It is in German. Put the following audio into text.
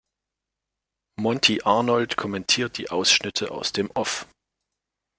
Monty Arnold kommentiert die Ausschnitte aus dem Off.